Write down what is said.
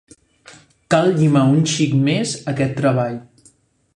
Cal llimar un xic més aquest treball.